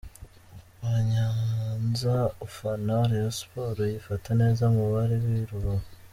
Wanyanza ufana Rayon Sports yifata neza mu bali b'i Rubavu.